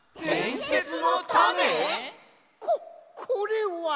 ここれは。